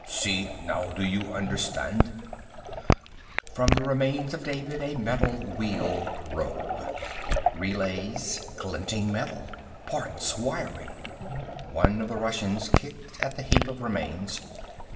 "See now? Now do you understand?" From the remains of David a metal wheel rolled. Relays, glinting metal. Parts, wiring. One of the Russians kicked at the heap of remains.